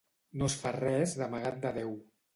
No es fa res d'amagat de Déu.